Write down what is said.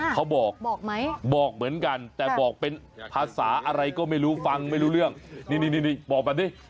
เขาบอกบอกไหมบอกเหมือนกันแต่บอกเป็นภาษาอะไรก็ไม่รู้ฟังไม่รู้เรื่องนี่บอกแบบนี้